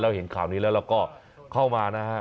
แล้วเห็นข่าวนี้แล้วก็เข้ามานะฮะ